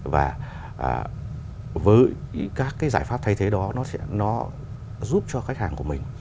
và với các cái giải pháp thay thế đó nó sẽ giúp cho khách hàng của mình